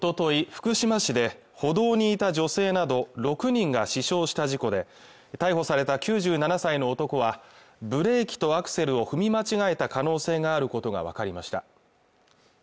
福島市で歩道にいた女性など６人が死傷した事故で逮捕された９７歳の男はブレーキとアクセルを踏み間違えた可能性があることが分かりました